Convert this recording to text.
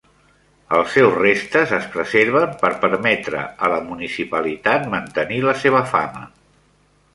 Els seus restes es preserven per permetre a la municipalitat mantenir la seva fama.